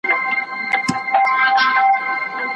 آیا دوی د بې وزلو ګټې ساتي؟